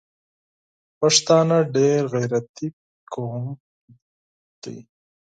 پښتانه ډېر غیرتي قوم ده